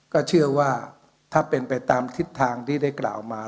ก็เชื่อว่าถ้าเป็นไปตามทิศทางที่ได้กล่าวมา